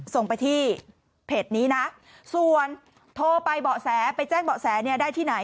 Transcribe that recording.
ส่งไปที่เพจนี้นะส่วนโทรไปเบาะแสไปแจ้งเบาะแสเนี่ยได้ที่ไหน